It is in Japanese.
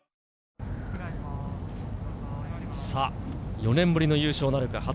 ４年ぶりの優勝なるか？